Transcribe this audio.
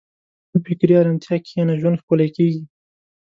په فکري ارامتیا کښېنه، ژوند ښکلی کېږي.